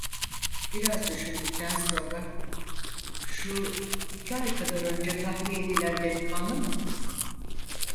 Biraz düşündükten sonra: "Şu iki ay kadar önce tahliye edilen delikanlı mı?"